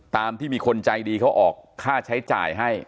ตามที่มีคนใจดีเขาออกค่าใช้จ่ายให้